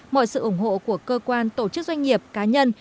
mọi sự ủng hộ của cơ quan tổ chức doanh nghiệp cá nhân